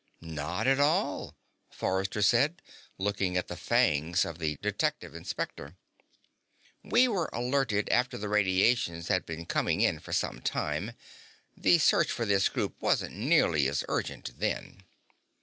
"Not at all," Forrester said, looking at the fangs of the Detective Inspector. "We were alerted after the radiations had been coming in for some time. The search for this group wasn't nearly as urgent then."